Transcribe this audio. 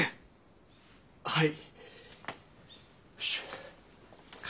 はい。